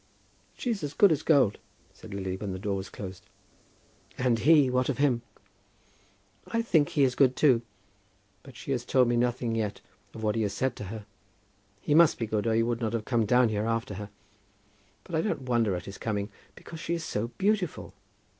"She's as good as gold," said Lily, when the door was closed. "And he; what of him?" "I think he is good, too; but she has told me nothing yet of what he has said to her. He must be good, or he would not have come down here after her. But I don't wonder at his coming, because she is so beautiful!